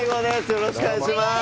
よろしくお願いします。